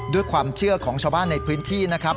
ด้วยความเชื่อของชาวบ้านในพื้นที่นะครับ